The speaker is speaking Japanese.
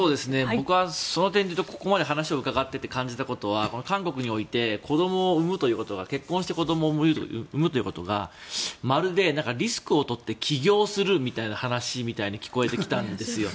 僕はその点でいうとここまで話を伺っていて感じたことは韓国において結婚して子供を産むということがまるでリスクをとって起業するみたいな話に聞こえてきたんですよ。